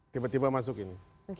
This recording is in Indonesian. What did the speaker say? tiba tiba masuk ini